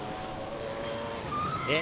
えっ？